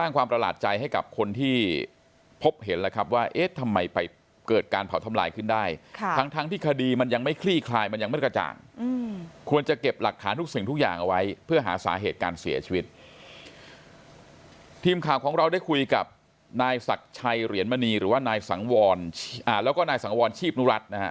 ควรจะเก็บหลักฐานทุกสิ่งทุกอย่างเอาไว้เพื่อหาสาเหตุการเสียชีวิตทีมข่าวของเราได้คุยกับนายศักดิ์ชัยเหรียญมณีหรือว่านายศังวรแล้วก็นายศังวรชีพนุรัตน์นะครับ